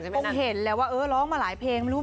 มีน้ำแดงใช่ไหม